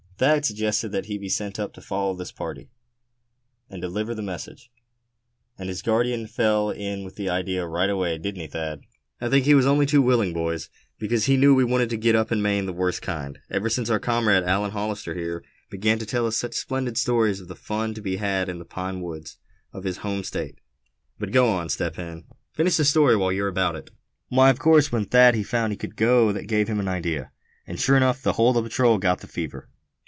"Thad suggested that he be sent up to follow this party, and deliver the message, and his guardian fell in with the idea right away, didn't he, Thad?" "I think he was only too willing, boys; because he knew we wanted to get up in Maine the worst kind; ever since our comrade, Allan Hollister here, began to tell us such splendid stories of the fun to be had in the pine woods of his home state. But go on, Step Hen, finish the story while you're about it." "Why, of course, when Thad, he found he could go, that gave him an idea; and sure enough, the whole of the patrol got the fever.